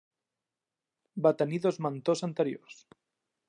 Va tenir dos mentors anteriors.